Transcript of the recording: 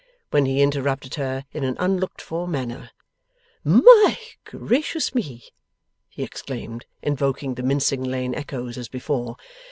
when he interrupted her in an unlooked for manner. 'My gracious me!' he exclaimed, invoking the Mincing Lane echoes as before.